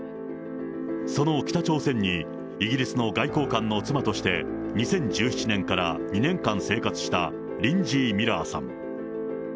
その北朝鮮にイギリスの外交官の妻として、２０１７年から２年間生活したリンジー・ミラーさん。